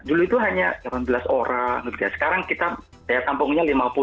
dulu itu hanya delapan belas orang sekarang kita daya tampungnya lima puluh